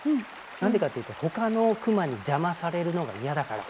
なんでかっていうと他のクマに邪魔されるのがイヤだから。